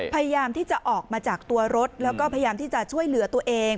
พยายามที่จะออกมาจากตัวรถแล้วก็พยายามที่จะช่วยเหลือตัวเอง